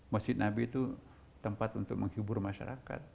masjid nabi itu tempat untuk menghibur masyarakat